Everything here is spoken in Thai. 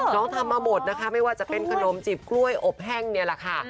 ทำมาหมดนะคะไม่ว่าจะเป็นขนมจีบกล้วยอบแห้งเนี่ยแหละค่ะ